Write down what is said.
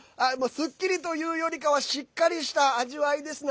すっきりというよりかはしっかりした味わいですね。